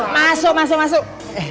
masuk masuk masuk